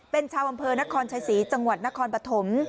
เป็นชาวอำเภอนครชัยศรีจังหวัดนครปฐม